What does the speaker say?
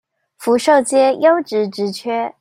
福壽街優質職缺